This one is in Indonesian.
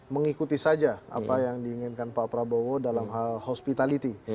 mengikuti saja apa yang diinginkan pak prabowo dalam hal hospitality